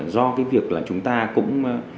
do cái việc là chúng ta cũng